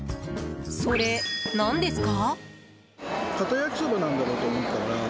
それ、何ですか？